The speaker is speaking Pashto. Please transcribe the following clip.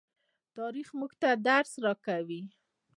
تاریخ موږ ته درس راکوي.